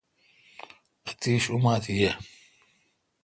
آتش اوماتھ ییں۔